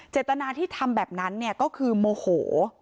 เจตนาที่ทำแบบนั้นเนี่ยก็คือโมโห